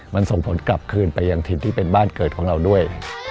มันส่งผลกลับคืนไปยังถิ่นที่เป็นบ้านเกิดของเราด้วย